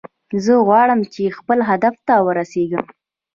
زه غواړم چې خپل هدف ته ورسیږم